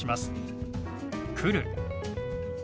「来る」。